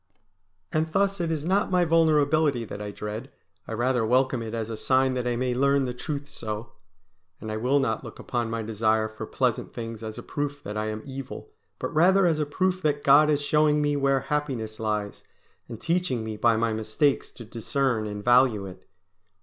And thus it is not my vulnerability that I dread; I rather welcome it as a sign that I may learn the truth so. And I will not look upon my desire for pleasant things as a proof that I am evil, but rather as a proof that God is showing me where happiness lies, and teaching me by my mistakes to discern and value it.